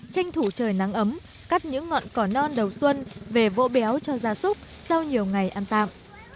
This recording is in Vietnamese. tranh thủ trời nắng ấm cắt những ngọn cỏ non đầu xuân về vỗ béo cho gia súc sau nhiều ngày ăn tạm